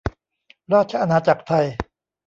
ราชอาณาจักรไทย